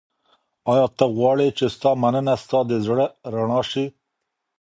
ایا ته غواړې چي ستا مننه ستا د زړه رڼا سي؟